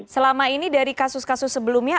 selama ini dari kasus kasus sebelumnya